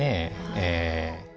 ええ。